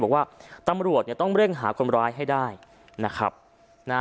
บอกว่าตำรวจเนี่ยต้องเร่งหาคนร้ายให้ได้นะครับนะฮะ